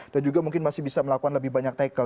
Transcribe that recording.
dan juga mungkin masih bisa melakukan lebih banyak tackle